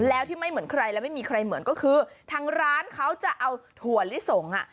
แล้วที่ไม่เหมือนใครและไม่มีใครเหมือนก็คือทางร้านเขาจะเอาถั่วลิสงอ่ะ